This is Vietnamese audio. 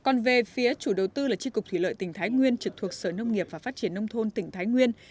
còn về phía chủ đầu tư là tri cục thủy lợi tỉnh thái nguyên trực thuộc sở nông nghiệp và phát triển nông thôn tỉnh thái nguyên